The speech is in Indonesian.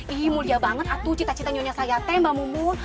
ih mulia banget atuh cita cita nyonya saya teh mbak mumun